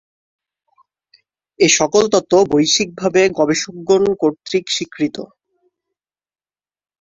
এ সকল তত্ত্ব বৈশ্বিকভাবে গবেষকগণ কর্তৃক স্বীকৃত।